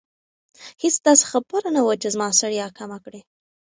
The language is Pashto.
هیڅ داسې خبره نه وه چې زما ستړیا کمه کړي.